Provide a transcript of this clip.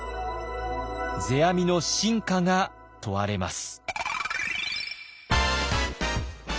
世阿弥の真価が問われます。